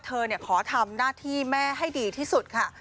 เธอขอทำหน้าที่แม่ให้ดีที่สุดค่ะ